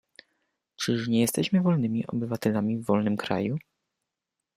"Czyż nie jesteśmy wolnymi obywatelami w wolnym kraju?"